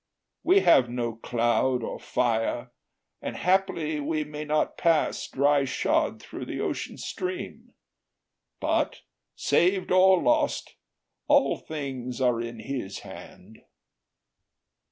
We have no cloud or fire, and haply we May not pass dry shod through the ocean stream; But, saved or lost, all things are in His hand."